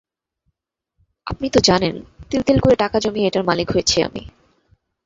আপনি তো জানেন, তিল তিল করে টাকা জমিয়ে এটার মালিক হয়েছি আমি।